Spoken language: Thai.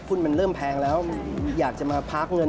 มันเริ่มแพงแล้วอยากจะมาพาร์คเงิน